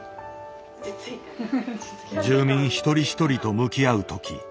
住民一人一人と向き合う時